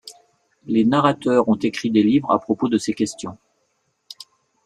Les narrateurs ont écrit des livres à propos de ces questions.